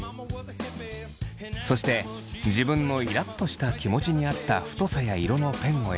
そして自分のイラっとした気持ちに合った太さや色のペンを選び